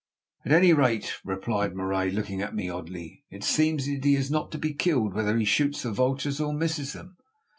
"At any rate," replied Marais, looking at me oddly, "it seems that he is not to be killed, whether he shoots the vultures or misses them."